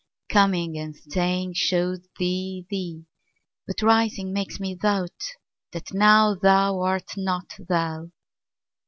Coming and staying show'd thee thee; But rising makes me doubt that nowThou art not thou.